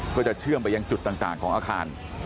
ก็จะเชื่อมไปยังจุดต่างของอาคาร